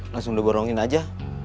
langsung udah gorongin aja